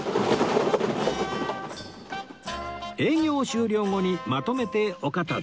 営業終了後にまとめてお片付け